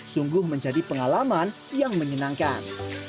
sungguh menjadi pengalaman yang menyenangkan